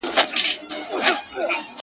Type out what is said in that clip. مسافر مه وژنې خاونده!.